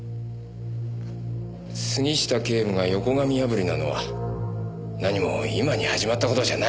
杉下警部が横紙破りなのは何も今に始まった事じゃないでしょう。